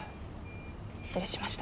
失礼しました。